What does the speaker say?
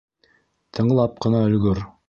Тыңлап ҡына өлгөр.